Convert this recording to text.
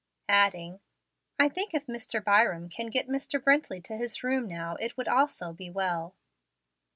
Adding, "I think if Mr. Byram can get Mr. Brently to his room now, it would also be well."